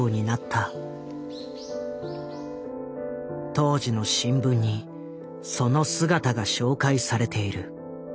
当時の新聞にその姿が紹介されている。